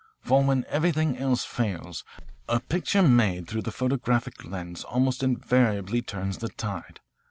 For when everything else fails, a picture made through the photographic lens almost invariably turns the tide.